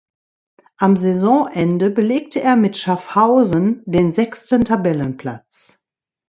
Am Saisonende belegte er mit Schaffhausen den sechsten Tabellenplatz.